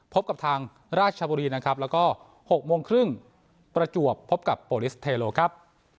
พบกับทางราชบุรีนะครับแล้วก็๖โมงครึ่งประจวบพบกับโปรลิสเทโลครับ